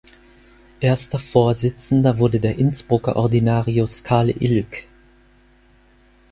Erster Vorsitzender wurde der Innsbrucker Ordinarius Karl Ilg.